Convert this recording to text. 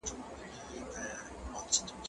زه به سبا د کتابتون پاکوالی وکړم!؟